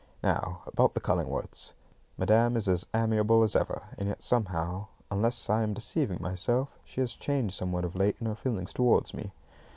Now about the Cullingworths. Madam is as amiable as ever; and yet somehow, unless I am deceiving myself, she has changed somewhat of late in her feelings towards me.